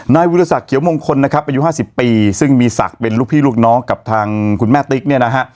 นายวิทยาศักดิเขียวมงคลนะครับอายุ๕๐ปีซึ่งมีศักดิ์เป็นลูกพี่ลูกน้องกับทางคุณแม่ติ๊กเนี่ยนะฮะ